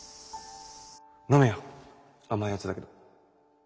飲めよ甘いヤツだけど。